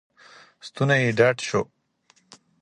ستونی یې ډډ شو.